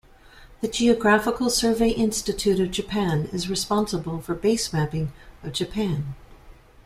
The Geographical Survey Institute of Japan is responsible for base mapping of Japan.